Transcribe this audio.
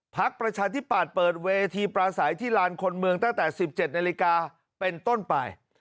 ประชาธิปัตย์เปิดเวทีปราศัยที่ลานคนเมืองตั้งแต่๑๗นาฬิกาเป็นต้นไป